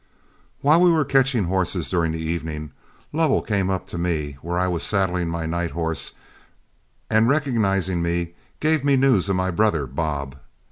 While we were catching horses during the evening, Lovell came up to me where I was saddling my night horse, and recognizing me gave me news of my brother Bob.